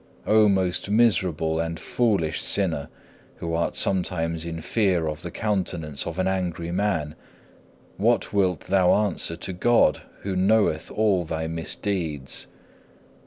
O most miserable and foolish sinner, who art sometimes in fear of the countenance of an angry man, what wilt thou answer to God, who knoweth all thy misdeeds?